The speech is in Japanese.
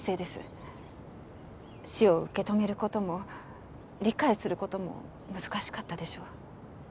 死を受け止める事も理解する事も難しかったでしょう。